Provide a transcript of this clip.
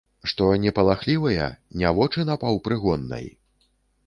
Што, не палахлівыя, не вочы напаўпрыгоннай?